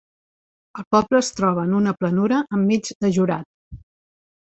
El poble es troba en una planura enmig de Jorat.